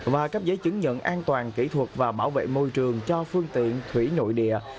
và cấp giấy chứng nhận an toàn kỹ thuật và bảo vệ môi trường cho phương tiện thủy nội địa